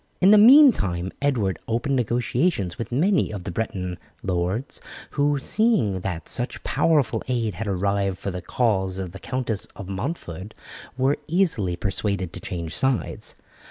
In the meantime Edward opened negotiations with many of the Breton lords, who, seeing that such powerful aid had arrived for the cause of the Countess of Montford, were easily persuaded to change sides.